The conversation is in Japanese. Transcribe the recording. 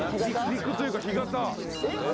陸というか干潟。